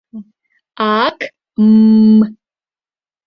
Аак' Ммм!